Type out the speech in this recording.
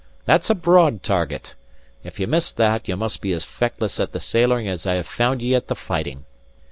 That's a broad target. If ye miss that, ye must be as feckless at the sailoring as I have found ye at the fighting.